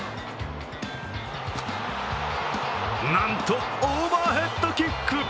なんとオーバーヘッドキック。